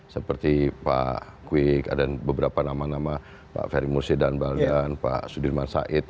seperti pak kwik ada beberapa nama nama pak ferry mursi dan baldan pak sudirman said